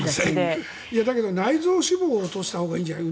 だけど内臓脂肪を落としたほうがいいんじゃない？